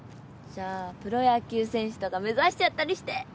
じゃあプロ野球選手とか目指しちゃったりして。